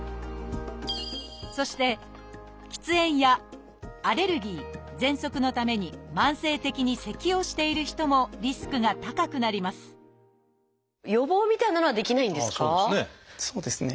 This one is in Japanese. そして喫煙やアレルギーぜんそくのために慢性的にせきをしている人もリスクが高くなります予防みたいなのはできないんですか？